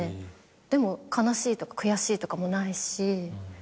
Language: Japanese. でも悲しいとか悔しいとかもないし。